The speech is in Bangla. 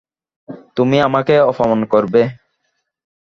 তুমি আমাকে অপমান করবে!